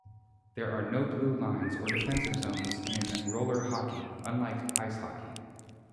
There are no blue lines or defensive zones in roller hockey unlike ice hockey.